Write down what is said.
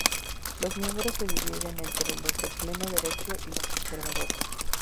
Los miembros se dividen entre los de pleno derecho y los observadores.